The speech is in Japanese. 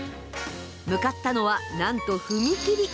向かったのはなんと踏切。